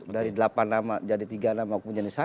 dari delapan nama jadi tiga nama kemudian jadi satu